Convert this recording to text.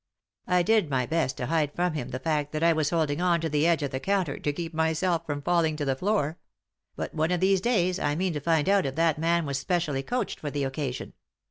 ' I did my best to hide from him the fact that I was holding on to the edge of the counter to keep myself from falling to the floor ; but one of these days I mean to find out if that man was specially coached for the occasion.